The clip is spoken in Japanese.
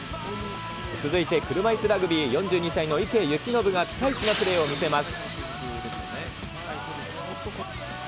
続いて、車いすラグビー、４２歳の池透暢がピカイチなプレーを見せます。